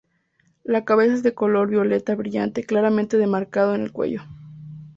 La cabeza es de color violeta brillante claramente demarcado en el cuello.